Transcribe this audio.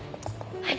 はい。